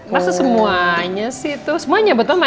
masa semuanya sih itu semuanya buat mama ya